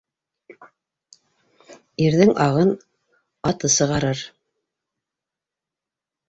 Ирҙең ағын аты сығарыр